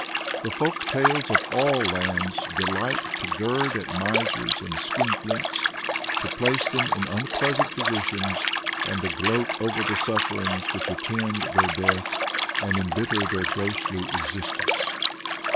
The folk tales of all lands delight to gird at misers and skinflints, to place them in unpleasant positions, and to gloat over the sufferings which attend their death and embitter their ghostly existence.